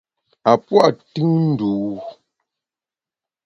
A pua’ tùn ndû.